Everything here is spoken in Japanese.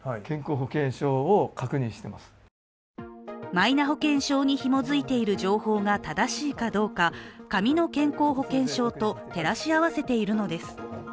マイナ保険証にひもづいている情報が正しいかどうか紙の健康保険証と照らし合わせているのです。